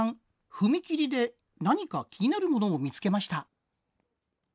踏切で何か気になるものを見つけました。